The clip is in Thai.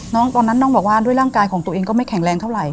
ตอนนั้นน้องบอกว่าด้วยร่างกายของตัวเองก็ไม่แข็งแรงเท่าไหร